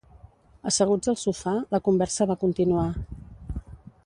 Asseguts al sofà, la conversa va continuar.